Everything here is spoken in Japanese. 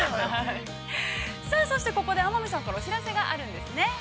◆さあそしてここで天海さんからお知らせがあるんですね。